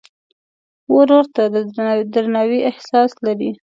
ورور ته د درناوي احساس لرې.